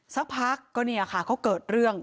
สักพักก็เนี่ยค่ะเขาเกิดเรื่อง